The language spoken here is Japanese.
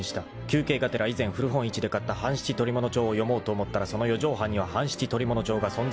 休憩がてら以前古本市で買った『半七捕物帳』を読もうと思ったらその四畳半には『半七捕物帳』が存在しなかった］